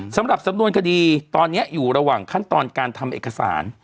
สำหรับสำนวนคดีตอนนี้อยู่ระหว่างขั้นตอนการทำเอกสาร